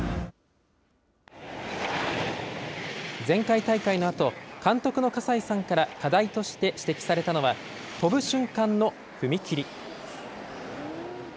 前回大会のあと、監督の葛西さんから課題として指摘されたのは、飛ぶ瞬間の踏み切り。